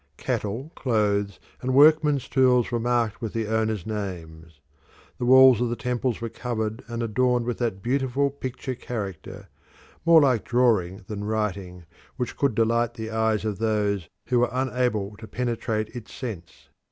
Cattle, clothes, and workmen's tools were marked with the owners' names. The walls of the temples were covered and adorned with that beautiful picture character, more like drawing than writing, which cold delight the eyes of those who were unable to penetrate its sense.